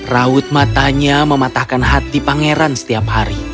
raut matanya mematahkan hati pangeran setiap hari